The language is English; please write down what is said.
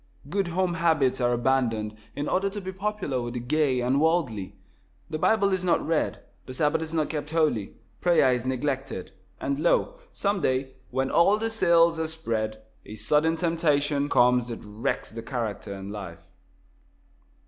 Good home habits are abandoned in order to be popular with the gay and worldly. The Bible is not read, the Sabbath is not kept holy, prayer is neglected, and lo! some day, when all the sails are spread, a sudden temptation comes that wrecks the character and life.